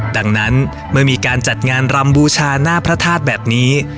ดังนั้นเมื่อมีการจัดงานรำบูชาหน้าพระธาตุแบบนี้